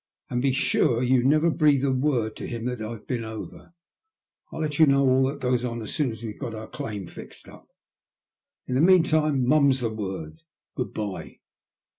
'' And be sure you never breathe a word to him that I've been over. I'll let you know all that goes on as soon as we've got our claim fixed up. In the meantime, mum's the word. Good bye."